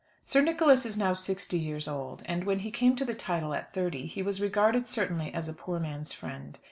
Sir Nicholas is now sixty years old, and when he came to the title at thirty, he was regarded certainly as a poor man's friend.